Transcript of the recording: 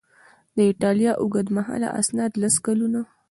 د ایټالیا اوږدمهاله اسناد لس کلونه